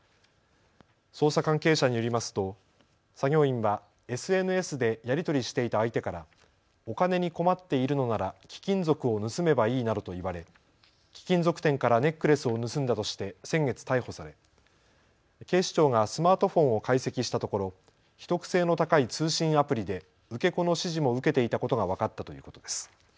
捜査関係者によりますと作業員はＳＮＳでやり取りしていた相手からお金に困っているのなら貴金属を盗めばいいなどと言われ貴金属店からネックレスを盗んだとして先月逮捕され警視庁がスマートフォンを解析したところ秘匿性の高い通信アプリで受け子の指示も受けていたことが分かったということです。